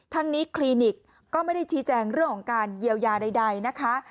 ทั้งนี้คลินิกก็ไม่ได้ชี้แจงเรื่องของการเยียวยาใดนะคะ